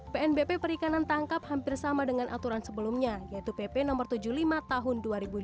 pnbp perikanan tangkap hampir sama dengan aturan sebelumnya yaitu pp no tujuh puluh lima tahun dua ribu lima belas